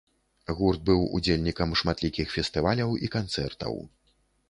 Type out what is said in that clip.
Гурт быў удзельнікам шматлікіх фестываляў і канцэртаў.